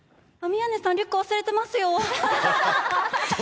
宮根さんリュック忘れてますよ。